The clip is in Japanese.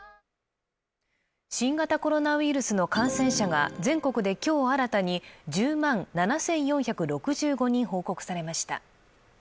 新型コロナウイルスの感染者が全国で今日新たに１０万７４６５人報告されました。